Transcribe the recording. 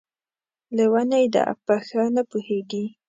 لېونۍ ده ، په ښه نه پوهېږي!